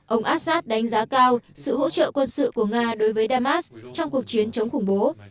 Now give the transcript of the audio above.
ông assad đánh giá cao sự hỗ trợ quân sự của nga đối với damas trong cuộc chiến chống khủng bố